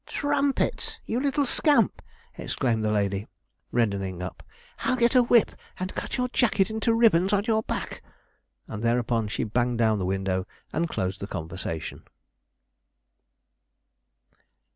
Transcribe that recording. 'Trumpets, you little scamp!' exclaimed the lady, reddening up; 'I'll get a whip and cut your jacket into ribbons on your back.' And thereupon she banged down the window and closed the conversation.